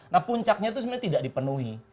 nah puncaknya itu sebenarnya tidak dipenuhi